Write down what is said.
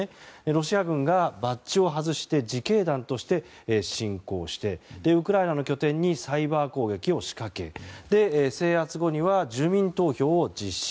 ロシア軍がバッジを外して自警団として侵攻して、ウクライナの拠点にサイバー攻撃を仕掛け制圧後には住民投票を実施。